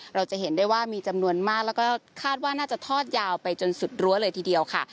เราจะเห็นได้ว่ามีจำนวนมากแล้วก็คาดว่าน่าจะทอดยาวไปจนสุดรั้วเลยทีเดียวค่ะ